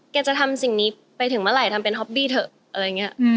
จะทำสิ่งนี้ไปถึงเมื่อไหร่ทำเป็นฮอปบี้เถอะอะไรอย่างนี้